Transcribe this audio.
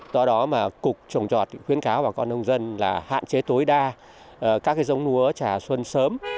do đó mà cục trồng chọt khuyến cáo bà con nông dân là hạn chế tối đa các dông lúa trả xuân sớm